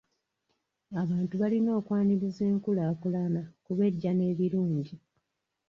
Abantu balina okwaniriza enkulaakulana kuba ejja n'ebirungi.